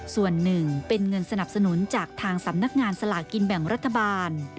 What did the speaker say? ส่วนหนึ่งเป็นเงินสนับสนุนจากทางสำนักงานสลากินแบ่งรัฐบาล